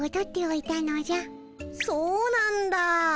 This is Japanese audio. そうなんだ。